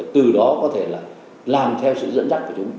từ đó có thể là làm theo sự dẫn dắt của chúng